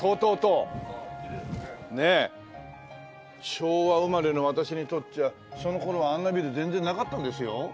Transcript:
昭和生まれの私にとっちゃその頃はあんなビル全然なかったんですよ。